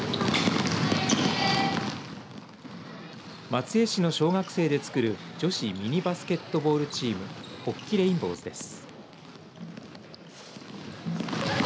松江市の小学生でつくる女子ミニバスケットボールチーム法吉レインボーズです。